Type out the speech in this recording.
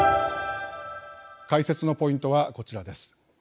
解説のポイントはこちらです。